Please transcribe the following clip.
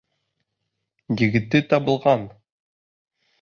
Егете табылған.